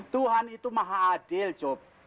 tuhan itu maha adil job